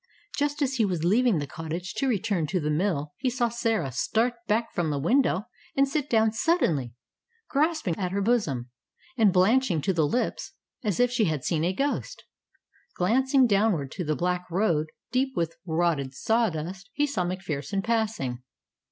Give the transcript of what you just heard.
Just as he was leaving the cottage to return to the mill, he saw Sarah start back from the window and sit down suddenly, grasping at her bosom, and blanching to the lips as if she had seen a ghost. Glancing downward to the black road, deep with rotted sawdust, he saw MacPherson passing.